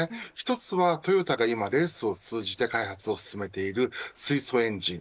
１つは、トヨタが今レースを通じて開発を進めている水素エンジン。